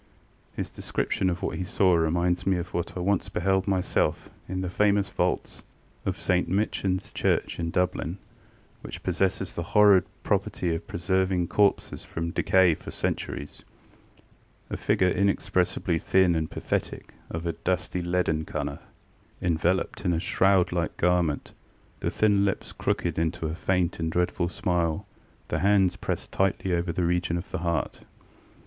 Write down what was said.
His description of what he saw reminds me of what I once beheld myself in the famous vaults of St MichanŌĆÖs Church in Dublin, which possess the horrid property of preserving corpses from decay for centuries. A figure inexpressibly thin and pathetic, of a dusty leaden colour, enveloped in a shroud like garment, the thin lips crooked into a faint and dreadful smile, the hands pressed tightly over the region of the heart.